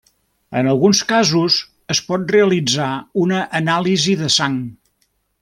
En alguns casos es pot realitzar una anàlisi de sang.